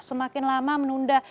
semakin lama menunda